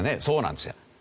そうなんですよ。